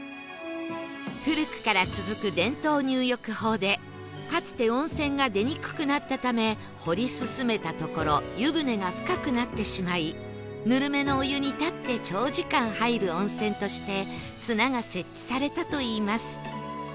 古くから続く伝統入浴法でかつて温泉が出にくくなったため掘り進めたところ湯船が深くなってしまいぬるめのお湯に立って長時間入る温泉として綱が設置されたといいます